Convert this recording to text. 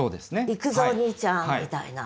「行くぞ兄ちゃん」みたいな。